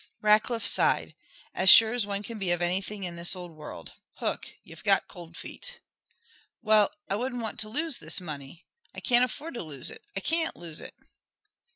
Rackliff sighed. "As sure as one can be of anything in this old world. Hook, you've got cold feet." "Well, I wouldn't want to lose this money. I can't afford to lose it. I can't lose it."